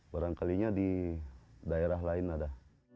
barangkalinya di daerah lain ada